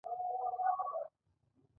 لارډ لیټن لیکلی پیغام کابل ته واستاوه.